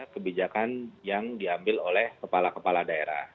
kebijakan yang diambil oleh kepala kepala daerah